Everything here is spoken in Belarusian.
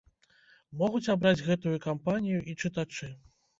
Могуць абраць гэтую кампанію і чытачы.